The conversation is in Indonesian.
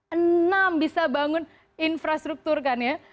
enam bisa bangun infrastruktur kan ya